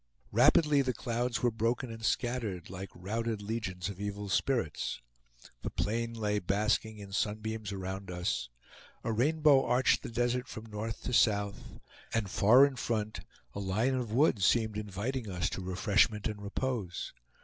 Rapidly the clouds were broken and scattered, like routed legions of evil spirits. The plain lay basking in sunbeams around us; a rainbow arched the desert from north to south, and far in front a line of woods seemed inviting us to refreshment and repose.